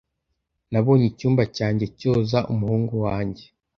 Nabonye icyumba cyanjye cyoza umuhungu wanjye.